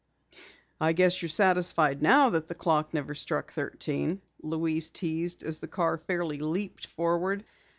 "I guess you're satisfied now that the clock never struck thirteen," Louise teased as the car fairly leaped forward.